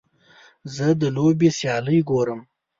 زه د لوبې سیالۍ ګورم.